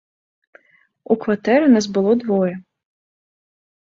У кватэры нас было двое.